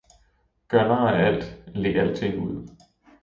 Gør nar af alt, le alting ud